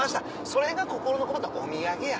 それが心のこもったお土産や。